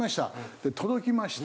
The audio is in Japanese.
で届きました。